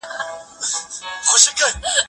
هغه څوک چي مړۍ خوري روغ وي